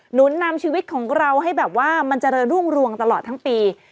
นุนนำชีวิตของเราให้แบบว่ามันเจริญรุ่งรวงตลอดทั้งปี